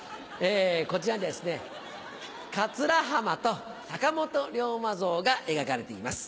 こちらに桂浜と坂本龍馬像が描かれています。